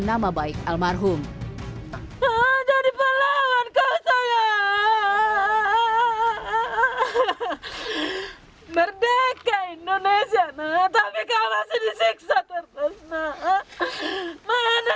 dengan nama baik almarhum jadi pelawan kau sayang merdeka indonesia tapi kau masih disiksa